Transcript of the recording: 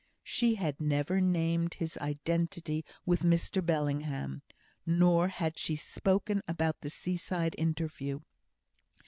She had never named his identity with Mr Bellingham, nor had she spoken about the seaside interview.